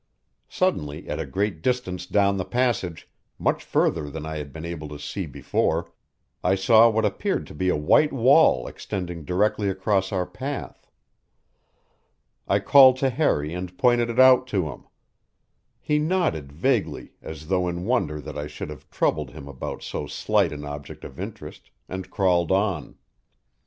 Suddenly, at a great distance down the passage, much further than I had been able to see before, I saw what appeared to be a white wall extending directly across our path. I called to Harry and pointed it out to him. He nodded vaguely, as though in wonder that I should have troubled him about so slight an object of interest, and crawled on.